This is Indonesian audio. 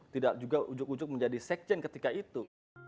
tidak juga ujug ujug menjadi sekjen ketika itu